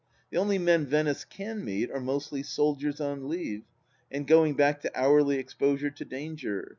The only men Venice can meet are mostly soldiers — on leave — ^and going back to hourly exposure to danger.